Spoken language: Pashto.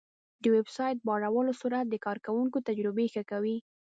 د ویب سایټ بارولو سرعت د کارونکي تجربه ښه کوي.